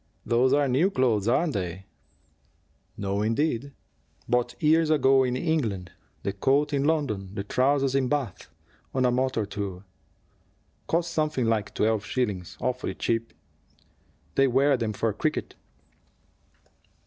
Those are new clothes, aren't they?" "No, indeed. Bought years ago in England the coat in London, the trousers in Bath, on a motor tour. Cost something like twelve shillings. Awfully cheap. They wear them for cricket."